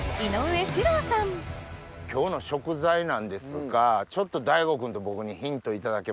今日の食材なんですがちょっとＤＡＩＧＯ君と僕にヒント頂けますか？